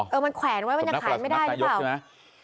เออมันแขวนไว้มันยังขายไม่ได้หรือเปล่านะ